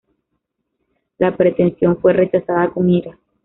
La pretensión fue rechazada con ira.